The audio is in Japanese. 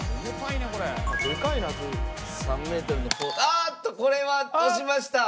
あーっとこれは押しました。